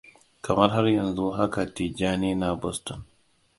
Kamar har yanzu haka Tijjani na Boston.